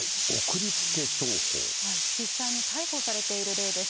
実際に逮捕されている例です。